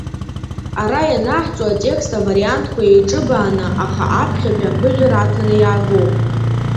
Ара ианаҳҵо атекст авариантқәа еиҿыбааны, аха аԥхьатәи аԥыжәара аҭаны иаагоуп.